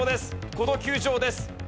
この球場です。